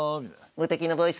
「無敵のボイス」